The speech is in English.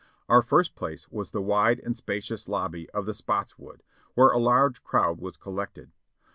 Our first place was the wide and spacious lobby of the "Spottswood," where a large crowd was collected.